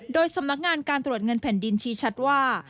โดยสำนักงานการตรวจเงินแผ่นดินชี้ชัดว่า